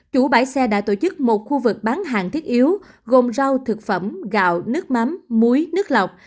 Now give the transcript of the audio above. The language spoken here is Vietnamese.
chủ bãi xe đã tổ chức một khu vực bán hàng thiết yếu gồm rau thực phẩm gạo nước mắm muối nước lọc